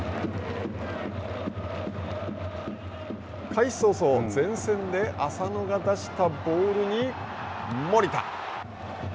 開始早々、前線で浅野が出したボールに守田。